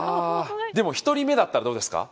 でも１人目だったらどうですか？